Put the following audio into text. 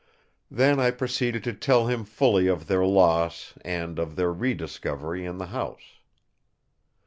Then I proceeded to tell him fully of their loss, and of their re discovery in the house.